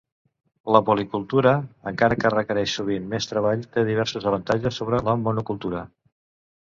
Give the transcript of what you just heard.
La policultura, encara que requereix sovint més treball, té diversos avantatges sobre la monocultura.